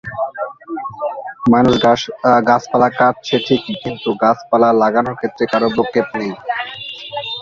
মানুষ গাছপালা কাটছে ঠিকই কিন্তু গাছপালা লাগানোর ক্ষেত্রে কারো ভ্রুক্ষেপ নেই।